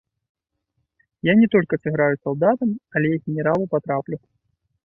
Я не толькі сыграю салдатам, але і генералу патраплю.